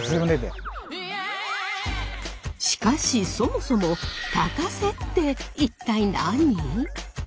しかしそもそも高瀬って一体何？